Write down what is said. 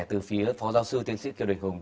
từ phía phó giáo sư tiến sĩ kiều địch hùng